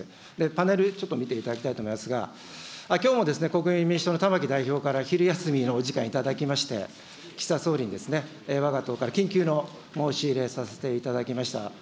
パネルちょっと見ていただきたいと思いますが、きょうも国民民主党の玉木代表から昼休みのお時間をいただきまして、岸田総理にわが党から緊急の申し入れさせていただきました。